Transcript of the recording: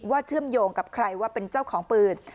เชื่อมโยงกับใครว่าเป็นเจ้าของปืน